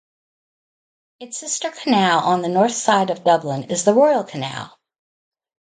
Its sister canal on the Northside of Dublin is the Royal Canal.